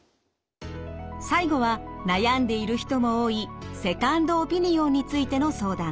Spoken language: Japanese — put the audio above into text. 最後は悩んでいる人も多いセカンドオピニオンについての相談。